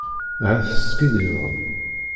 Ahat teskiddibeḍ.